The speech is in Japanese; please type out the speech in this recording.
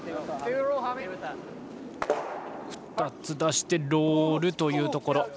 ２つ出してロールというところ。